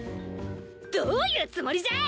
どういうつもりじゃい！